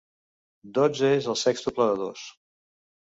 Dotze és el sèxtuple de dos.